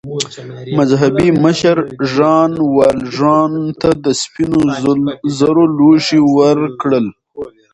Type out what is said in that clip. مذهبي مشر ژان والژان ته د سپینو زرو لوښي ورکړل.